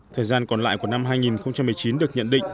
thời gian còn lại của năm hai nghìn một mươi chín được nhận định